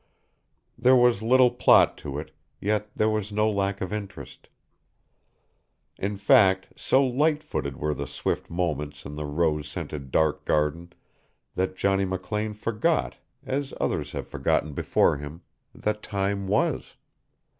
There was little plot to it, yet there was no lack of interest. In fact so light footed were the swift moments in the rose scented dark garden that Johnny McLean forgot, as others have forgotten before him, that time was.